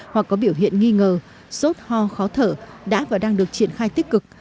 hoặc có biểu hiện nghi ngờ sốt ho khó thở đã và đang được triển khai tích cực